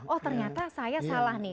oh ternyata saya salah nih